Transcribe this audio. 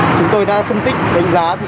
chúng tôi đã xâm tích đánh giá